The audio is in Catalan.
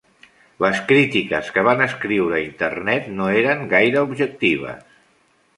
Les crítiques que van escriure a Internet no eren gaire objectives.